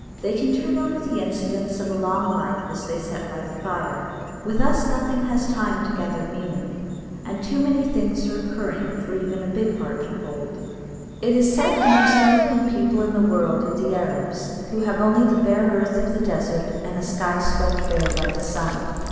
They can turn over the incidents of a long life as they sit by the fire. With us nothing has time to gather meaning, and too many things are occurring for even a big heart to hold. It is said the most eloquent people in the world are the Arabs, who have only the bare earth of the desert and a sky swept bare by the sun.